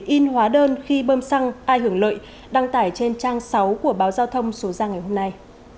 in hóa đơn khi bơm xăng ai hưởng lợi đăng tải trên trang sáu của báo giao thông số ra ngày hôm nay